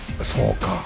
そうか！